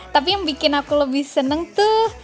tapi yang bikin aku lebih seneng tuh